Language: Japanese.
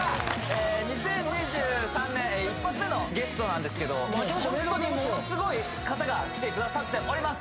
２０２３年一発目のゲストなんですけどホントにものすごい方が来てくださっております